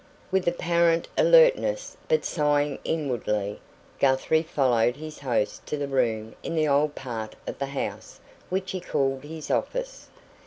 With apparent alertness, but sighing inwardly, Guthrie followed his host to the room in the old part of the house which he called his office.